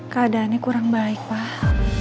keadaannya kurang baik pak